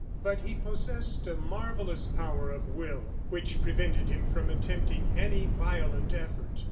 But he possessed a marvellous power of will, which prevented him from attempting any violent effort.